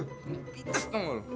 gepitas dong lu